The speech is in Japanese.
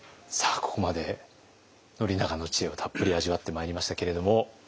ここまで宣長の知恵をたっぷり味わってまいりましたけれども。